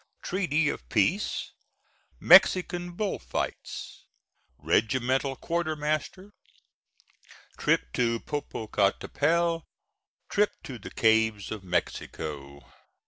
TREATY OF PEACE MEXICAN BULL FIGHTS REGIMENTAL QUARTERMASTER TRIP TO POPOCATAPETL TRIP TO THE CAVES OF MEXICO.